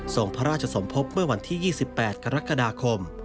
ส่งพระราชสมภพเมื่อวันที่๒๘กรกฎาคม